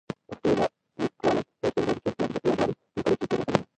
پښتو لیکلار یوه ستونزه د څو یاګانو په لیکلو کې تېروتنه ده